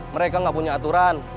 mereka nggak punya aturan